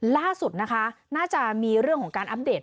ล่าสุดนะคะน่าจะมีเรื่องของการอัปเดต